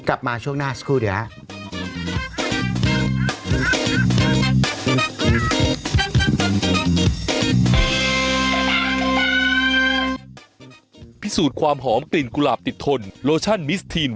กลับมาช่วงหน้าสักครู่เดี๋ยวครับ